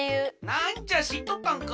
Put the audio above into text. なんじゃしっとったんか。